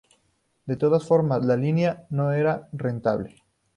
De todas formas, la línea no era rentable.